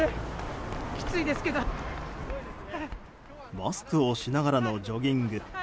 マスクをしながらのジョギング。